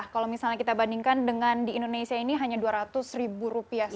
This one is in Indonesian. kalau misalnya kita bandingkan dengan di indonesia ini hanya dua ratus ribu rupiah saja